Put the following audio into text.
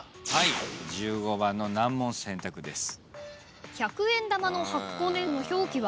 １５番の難問選択です。